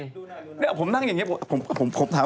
เดี๋ยวผมนั่งอย่างนี้ผมถามว่าผมนั่งตรงไหน